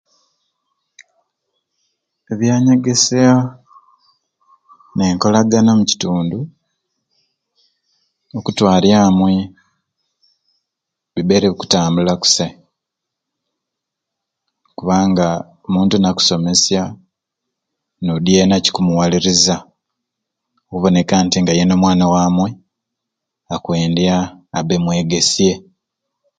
Ebyanyegesya n'enkolagana omu kitundu okutwalya amwe bibaire bikutambula kusai kubanga omuntu nakusomesya n'odi yeena kikumuwaliriza okuboneka nti nga yeena omwana wamwe akwendya abbe mwegesye